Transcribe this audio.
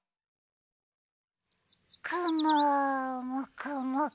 くももくもく。